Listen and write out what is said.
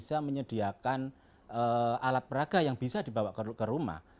bisa menyediakan alat peraga yang bisa dibawa ke rumah